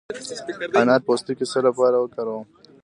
د انار پوستکی د څه لپاره وکاروم؟